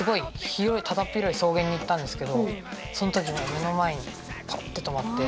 広い草原に行ったんですけどその時目の前にパッて止まって。